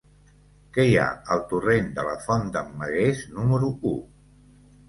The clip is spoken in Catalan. Què hi ha al torrent de la Font d'en Magués número u?